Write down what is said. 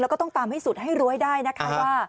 แล้วก็ต้องตามให้สุดให้รู้ให้ได้นะคะว่า